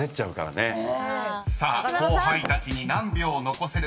［さあ後輩たちに何秒残せるか］